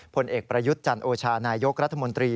ผลเอกประยุทธ์จันโอชานายกรัฐมนตรี